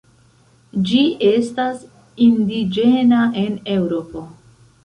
Ĝi estas indiĝena en Eŭropo.